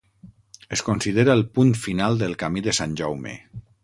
Es considera el punt final del camí de Sant Jaume.